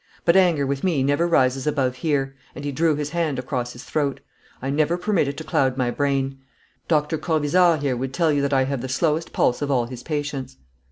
But anger with me never rises above here,' and he drew his hand across his throat. 'I never permit it to cloud my brain. Dr. Corvisart here would tell you that I have the slowest pulse of all his patients.'